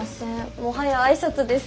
もはや挨拶です。